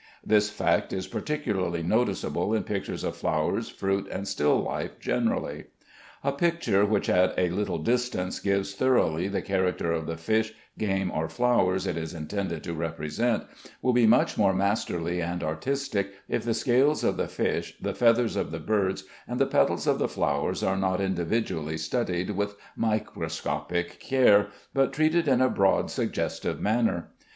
This fact is particularly noticeable in pictures of flowers, fruit, and still life generally. A picture which at a little distance gives thoroughly the character of the fish, game, or flowers it is intended to represent, will be much more masterly and artistic if the scales of the fish, the feathers of the birds, and the petals of the flowers are not individually studied with microscopic care, but treated in a broad, suggestive manner.